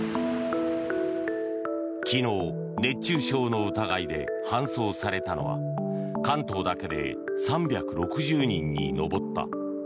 昨日、熱中症の疑いで搬送されたのは関東だけで３６０人に上った。